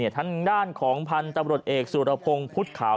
ทางด้านของพันธุ์ตำรวจเอกสุรพงศ์พุทธขาว